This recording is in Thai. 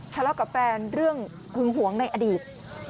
ทะเลาะกับแฟนเรื่องหึงหวงในอดีต